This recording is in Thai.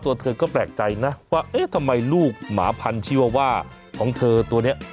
ตัวเธอก็แปลกใจนะว่าเอ๊ะทำไมลูกหมาพันธุ์ชีวว่าของเธอตัวนี้